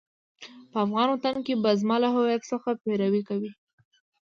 په افغان وطن کې به زما له هويت څخه پيروي کوئ.